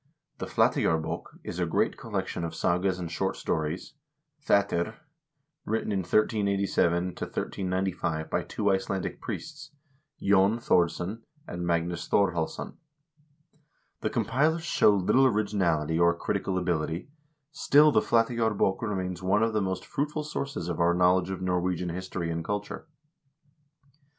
The " Flateyjarb6k" is a great collection of sagas and short stories (pcettir) written in 1387 1395 by two Icelandic priests, Jon Thordsson and Magnus Thorhallsson. The compilers show little originality or critical ability, still the " Flateyjarb6k " remains one of the most fruitful sources of our knowledge of Norwegian history and culture.